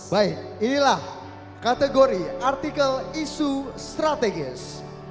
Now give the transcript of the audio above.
baik inilah kategori artikel isu strategis